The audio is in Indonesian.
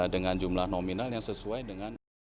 dengan jumlah nominal yang sesuai dengan